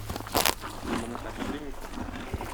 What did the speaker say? Ул моны хәтерли микән?..